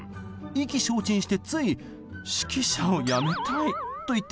意気消沈してつい「指揮者をやめたい」と言ってしまいました。